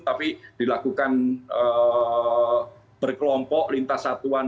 tapi dilakukan berkelompok lintas satuan